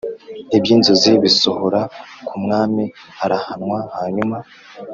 Iby inzozi bisohora ku mwami arahanwa hanyuma